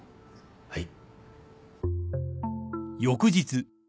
はい。